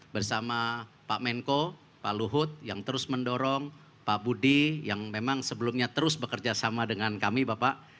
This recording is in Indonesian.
bersama pak menko pak luhut yang terus mendorong pak budi yang memang sebelumnya terus bekerja sama dengan kami bapak